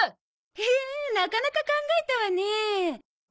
へえなかなか考えたわねでも。